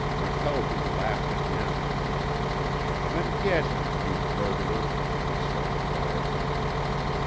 McKelvie laughed again. "Come and get him, you murderer," he said, quietly.